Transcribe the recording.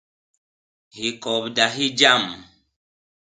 Hikobda hi jam .